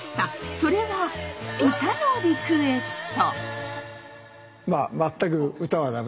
それは歌のリクエスト。